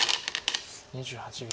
２８秒。